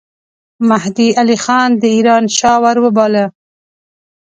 مهدي علي خان د ایران شاه وروباله.